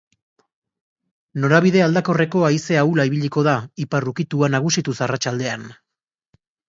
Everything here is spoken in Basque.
Norabide aldakorreko haize ahula ibiliko da, ipar ukitua nagusituz arratsaldean.